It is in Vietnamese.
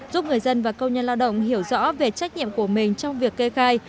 giúp người dân và công nhân lao động hiểu rõ về trách nhiệm của mình trong việc kê khai